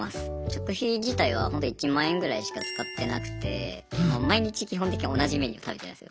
食費自体はホント１万円ぐらいしか使ってなくて毎日基本的に同じメニュー食べてます。